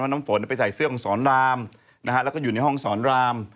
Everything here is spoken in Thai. น้ำฝนไปใส่เสื้อของสอนรามแล้วก็อยู่ในห้องสอนราม